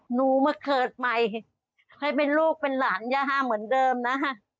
หนูมาเกิดใหม่ให้เป็นลูกเป็นหลานย่าเหมือนเดิมนะ